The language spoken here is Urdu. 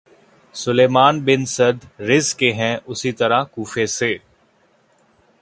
سلیمان بن سرد رض کے ہیں اسی طرح کوفہ سے